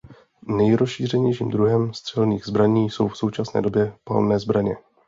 Nejrozšířenějším druhem střelných zbraní jsou v současné době palné zbraně.